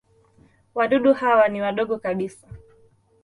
Wadudu hawa ni wadogo kabisa.